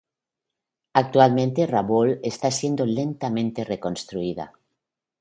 Actualmente Rabaul está siendo lentamente reconstruida.